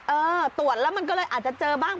เออตรวจแล้วมันก็เลยอาจจะเจอบ้าง